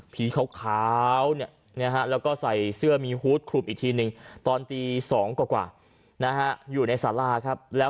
ผีขาวขาวและใส่เข้าเหตุใหม่คลุบอีกทีตอนตี๒กว่าอยู่ในสารา